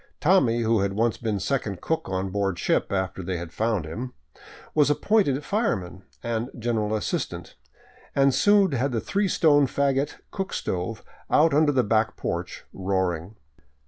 Tommy, who had once been second 'cook on board ship — after they had found him — was appointed fireman and general assist ant, and soon had the three stone fagot cook stove out under the back porch roaring.